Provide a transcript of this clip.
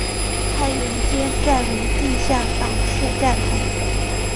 太原街站为地下岛式站台。